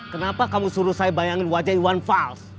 kenapa kamu suruh saya bayangin wajah iwan fals